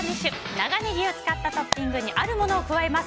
長ネギを使ったトッピングにあるものを加えます。